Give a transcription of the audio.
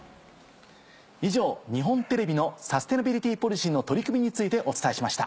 以上日本テレビのサステナビリティポリシーの取り組みについてお伝えしました。